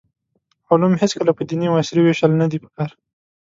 علوم هېڅکله په دیني او عصري ویشل ندي پکار.